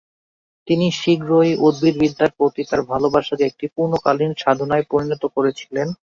তিনি শীঘ্রই উদ্ভিদবিদ্যার প্রতি তার ভালবাসাকে একটি পূর্ণকালীন সাধনায় পরিণত করেছিলেন।